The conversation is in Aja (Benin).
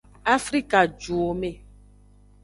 Afrikajuwome.